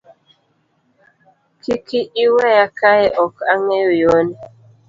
Kiki iweya kae ok angeyo yoni.